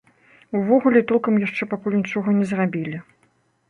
Увогуле, толкам яшчэ пакуль нічога не зрабілі.